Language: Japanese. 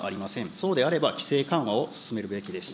そうであれば規制緩和を進めるべきです。